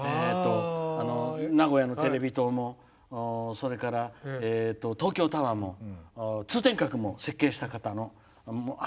名古屋のテレビ塔もそれから、東京タワーも通天閣も設計した方の話。